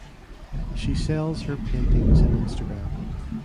She sells her paintings in Instagram.